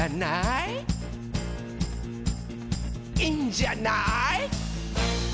「いいんじゃない？」